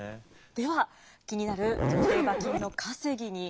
では気になる曲亭馬琴の稼ぎにまいります。